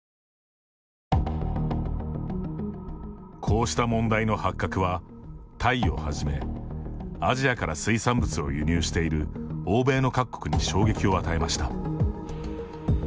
こうした問題の発覚はタイをはじめアジアから水産物を輸入している欧米の各国に衝撃を与えました。